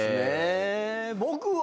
僕は？